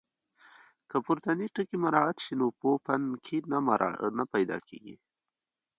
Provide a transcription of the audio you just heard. که پورتني ټکي مراعات شي نو پوپنکي نه پیدا کېږي.